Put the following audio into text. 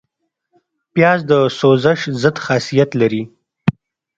پیاز د سوزش ضد خاصیت لري